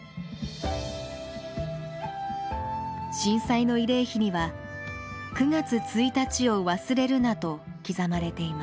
震災の慰霊碑には「九月一日を忘れるな」と刻まれています。